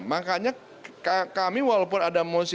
makanya kami walaupun ada mosi